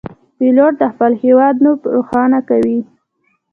پیلوټ د خپل هیواد نوم روښانه کوي.